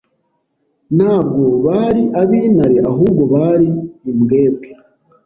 Ntabwo bari ab'intare ahubwo bari imbwebwe